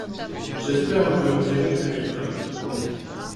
J’espère que nous irons plus vite.